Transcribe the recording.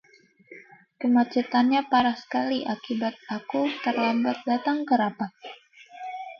Kemacetannya parah sekali, akibatnya aku terlambat datang ke rapat.